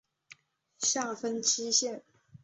下分七县。